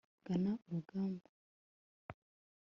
gana urugamba